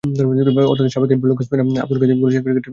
অথচ সাবেক leg spinner Abdul Qadir বলছেন, ক্রিকেটে কোচেরই দরকার নেই।